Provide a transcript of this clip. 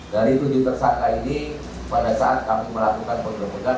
dari tujuh tersangka ini pada saat kami melakukan penggerbekan